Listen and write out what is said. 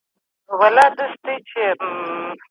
کتاب د انسان ذهن ته سکون ورکوي او ذهني فشارونه کموي په ژوند کي.